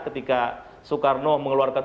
ketika soekarno mengeluarkan